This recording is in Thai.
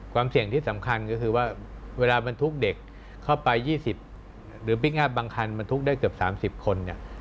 เสี่ยงที่สำคัญก็คือว่าเวลาบรรทุกเด็กเข้าไป๒๐หรือพลิกอัพบางคันบรรทุกได้เกือบ๓๐คนเนี่ย